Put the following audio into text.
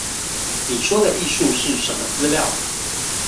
你說的藝術是什麼資料？